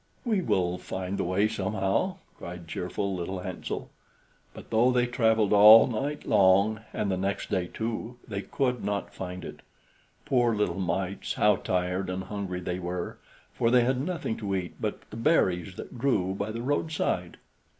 "We will find the way somehow," cried cheerful little Hansel; but though they traveled all night long, and the next day too, they could not find it. Poor little mites, how tired and hungry they were, for they had nothing to eat but the berries that grew by the roadside!